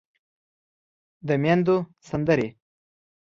د ميندو سندرې